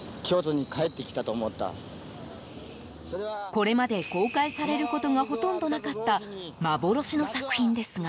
これまで公開されることがほとんどなかった幻の作品ですが。